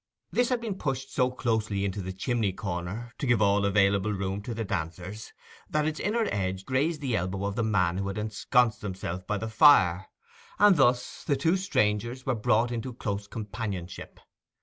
This had been pushed so closely into the chimney corner, to give all available room to the dancers, that its inner edge grazed the elbow of the man who had ensconced himself by the fire; and thus the two strangers were brought into close companionship.